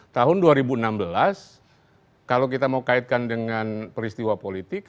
tahun dua ribu enam belas kalau kita mau kaitkan dengan peristiwa politik